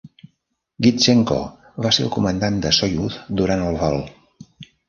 Gidzenko va ser el comandant de Soyuz durant el vol.